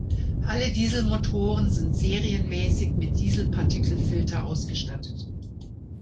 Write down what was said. Alle Dieselmotoren sind serienmäßig mit Dieselpartikelfilter ausgestattet.